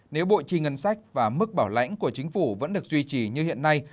nếu bội trì ngân sách và mức bảo lãnh của chính phủ vẫn được duy trì như hiện nay